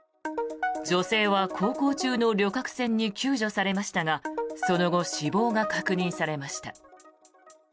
女性は航行中の旅客船に救助されましたがその後、死亡が確認されました。